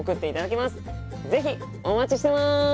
是非お待ちしてます。